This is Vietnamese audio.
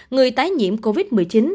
người tái nhiễm covid một mươi chín